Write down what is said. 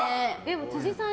辻さん